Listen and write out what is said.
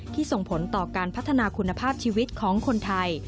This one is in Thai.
ส่งผลต่อการพัฒนาคุณภาพชีวิตของคนไทย